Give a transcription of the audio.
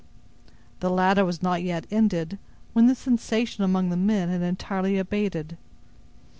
The latter was not yet ended, when the sensation among the men had entirely abated.